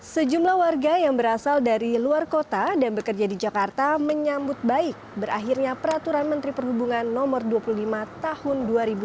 sejumlah warga yang berasal dari luar kota dan bekerja di jakarta menyambut baik berakhirnya peraturan menteri perhubungan no dua puluh lima tahun dua ribu dua puluh